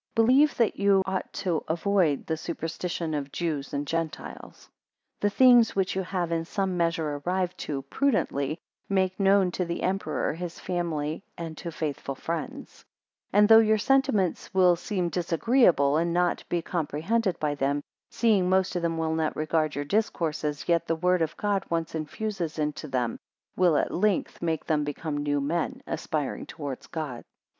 4 Believe that you ought to avoid the superstitions of Jews and Gentiles. 5 The things which you have in some measure arrived to, prudently make known to the emperor, his family, and to faithful friends; 6 And though your sentiments will seem disagreeable, and not be comprehended by them, seeing most of them will not regard your discourses, yet the Word of God once infused into them, will at length make them become new men, aspiring towards God.